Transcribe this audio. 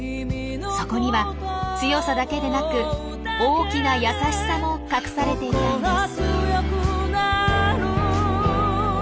そこには強さだけでなく大きな優しさも隠されていたんです。